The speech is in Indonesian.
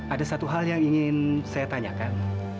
ada satu hal yang ingin saya tanyakan